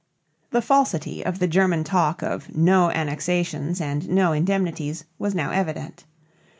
The falsity of the German talk of "no annexations and no indemnities" was now evident.